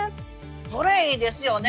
それいいですよね。